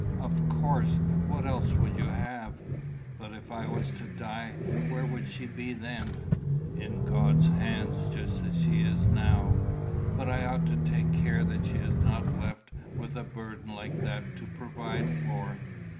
"Of course. What else would you have?" "But if I was to die, where would she be then?" "In God's hands; just as she is now." "But I ought to take care that she is not left with a burden like that to provide for."